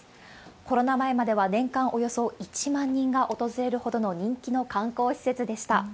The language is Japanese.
コロナ前までは、年間およそ１万人が訪れるほどの人気の観光施設でした。